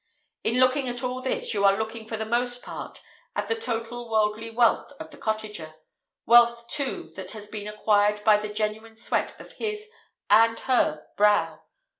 In looking at all this, you are looking for the most part at the total worldly wealth of the cottager, wealth, too, that has often been acquired by the genuine sweat of his (and her) brow.